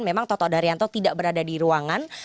memang toto daryanto tidak berada di ruangan